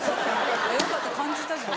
よかった感じたじゃん。